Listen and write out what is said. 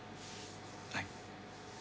はい。